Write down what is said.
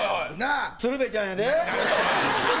鶴瓶ちゃんやで。